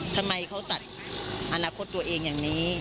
ทำไมเขาตัดอนาคตตัวเองอย่างนี้